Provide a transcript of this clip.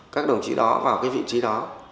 các đồng chí đó vào cái vị trí đó